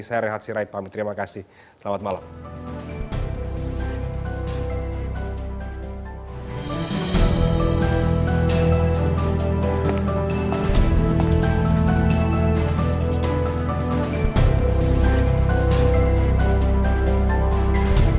saya rehatsi raid pak mitri terima kasih selamat malam